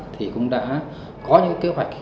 thì cũng đã có những kế hoạch